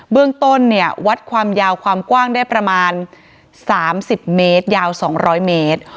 เรื่องต้นเนี่ยวัดความยาวความกว้างได้ประมาณ๓๐เมตรยาว๒๐๐เมตร